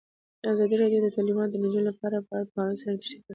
ازادي راډیو د تعلیمات د نجونو لپاره په اړه د پوهانو څېړنې تشریح کړې.